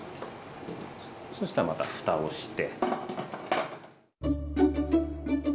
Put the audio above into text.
そしたらまたふたをして。